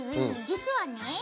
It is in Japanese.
実はね